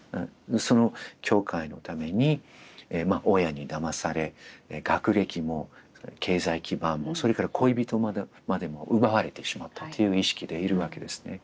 その教会のために親にだまされ学歴も経済基盤もそれから恋人までも奪われてしまったっていう意識でいるわけですね。